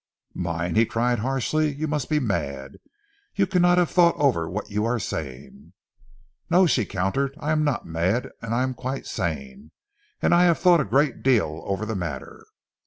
"Mine!" he cried harshly. "You must be mad. You cannot have thought over what you are saying." "No," she countered, "I am not mad, I am quite sane, and I have thought a great deal over the matter."